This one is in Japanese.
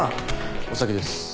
お先です。